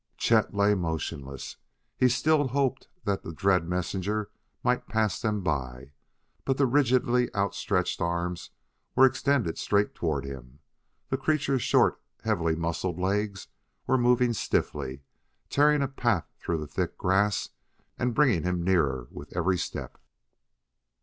Chet lay motionless. He still hoped that the dread messenger might pass them by, but the rigidly outstretched arms were extended straight toward him; the creature's short, heavily muscled legs were moving stiffly, tearing a path through the thick grass and bringing him nearer with every step.